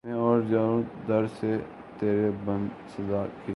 میں اور جاؤں در سے ترے بن صدا کیے